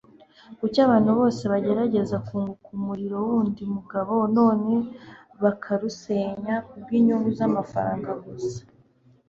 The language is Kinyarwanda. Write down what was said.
kuki abantu bose bagerageza kunguka umurimo wundi mugabo noneho bakarusenya kubwinyungu zamafaranga gusa